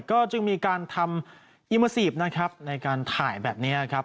ก็จึงมีการทำอิ่มมั่วซีบในการถ่ายแบบนี้